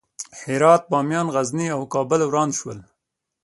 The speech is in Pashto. هرات، بامیان، غزني او کابل وران شول.